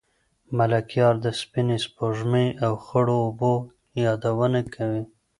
ملکیار د سپینې سپوږمۍ او خړو اوبو یادونه کوي.